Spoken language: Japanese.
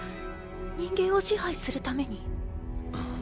人間を支配するために。